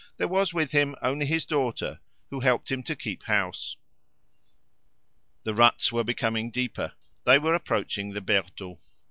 There was with him only his daughter, who helped him to keep house. The ruts were becoming deeper; they were approaching the Bertaux.